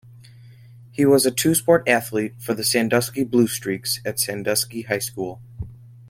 He was a two-sport athlete for the Sandusky Blue Streaks at Sandusky High School.